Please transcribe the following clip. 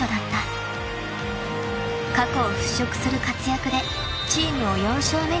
［過去を払拭する活躍でチームを４勝目に導いた］